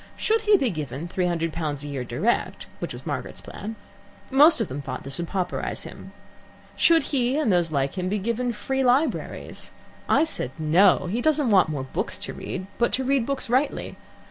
Should he be given three hundred pounds a year direct, which was Margaret's plan? Most of them thought this would pauperize him. Should he and those like him be given free libraries? I said 'No!' He doesn't want more books to read, but to read books rightly.